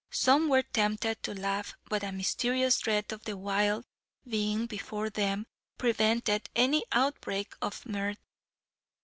Some were tempted to laugh, but a mysterious dread of the wild being before them, prevented any outbreak of mirth.